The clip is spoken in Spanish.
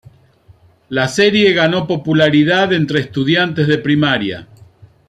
La serie ganó popularidad entre estudiantes de primaria.